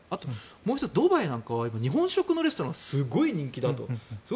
もう１つ、ドバイなんかは日本食のレストランがすごく人気だと。